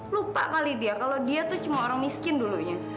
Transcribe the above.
lupa kali dia kalau dia tuh cuma orang miskin dulunya